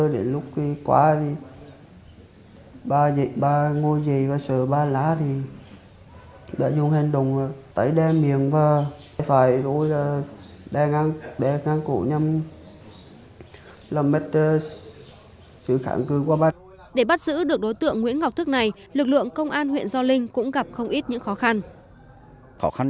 để bắt giữ được đối tượng nguyễn ngọc thức này lực lượng công an huyện do linh cũng gặp không ít những khó khăn